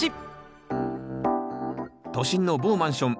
都心の某マンション